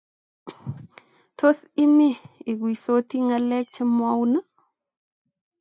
Tos, imi iguisoti ngalek chamwaun?